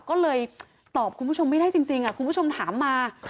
ก็เลยตอบคุณผู้ชมไม่ได้จริงคุณผู้ชมถามมา